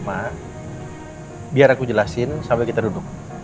biar aku jelasin sambil kita duduk